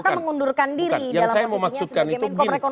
pak hatta mengundurkan diri dalam posisinya sebagai menko ekonomi